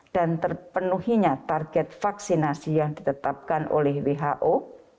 dan terpenuhinya target vaksinasi yang ditetapkan oleh who